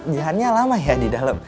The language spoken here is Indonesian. jihannya lama ya di dalam